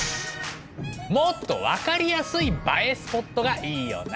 もっと分かりやすい映えスポットがいいよな。